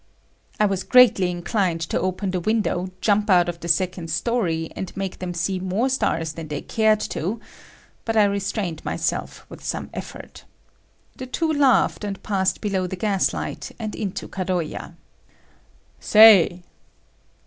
I was greatly inclined to open the window, jump out of the second story and make them see more stars than they cared to, but I restrained myself with some effort. The two laughed, and passed below the gas light, and into Kadoya. "Say."